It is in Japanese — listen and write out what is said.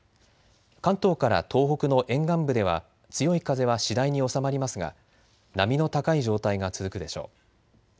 関東から東北の沿岸部では強い風は次第に収まりますが、波の高い状態が続くでしょう。